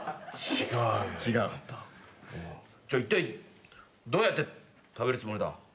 いったいどうやって食べるつもりだ？